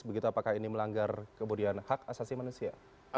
begitu apakah ini melanggar kemudian hak asasi manusia